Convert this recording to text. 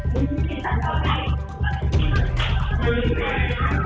สวัสดีครับวันนี้เราจะกลับมาเมื่อไหร่